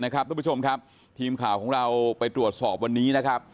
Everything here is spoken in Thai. ทุกผู้ชมครับทีมข่าวของเราไปตรวจสอบวันนี้นะครับ